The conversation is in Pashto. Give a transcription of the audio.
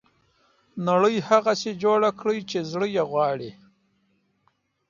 نړۍ هغسې جوړه کړي چې زړه یې غواړي.